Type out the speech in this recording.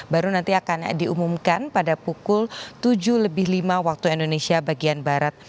baru nanti akan diumumkan pada pukul tujuh lebih lima waktu indonesia bagian barat